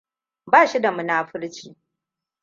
Ba shi da munafurci.